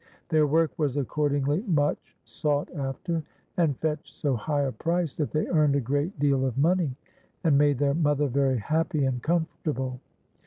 Their work was accordingly much sought after, and fetched so high a price that they earned a great deal of money and made their mother ver}' happy and comfortable.